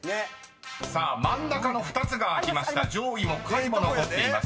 ［さあ真ん中の２つが開きました上位も下位も残っています］